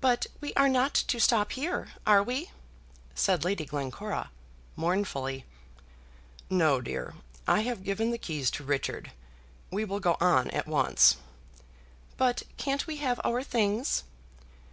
"But we are not to stop here; are we?" said Lady Glencora, mournfully. "No, dear; I have given the keys to Richard. We will go on at once." "But can't we have our things?"